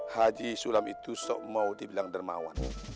haji sulam itu mau dibilang dermawan